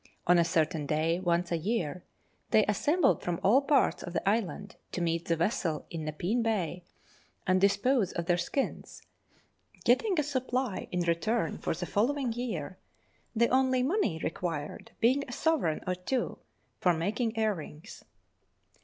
On a certain day, once a year, they assembled from all parts of the island to meet the vessel in Nepean Bay, and dispose of their skins, getting a supply in return for the following year, the only money required being a sovereign or two for making earrings.